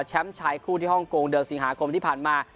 ชายคู่ที่ฮ่องกงเดือนสิงหาคมที่ผ่านมา